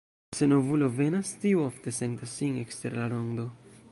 Se novulo venas, tiu ofte sentas sin ekster la rondo.